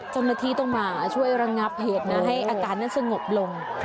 เจ้าหน้าที่ต้องมาช่วยระงับเหตุนะให้อาการนั้นสงบลง